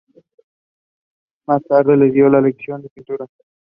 Her work is in the collection of the Smithsonian American Art Museum.